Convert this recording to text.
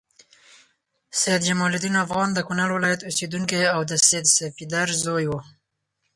سید جمال الدین افغان د کونړ ولایت اوسیدونکی او د سید صفدر زوی و.